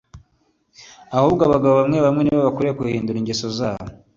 ahubwo abagabo bamwe bamwe nibo bakwiye guhindura ingeso zabo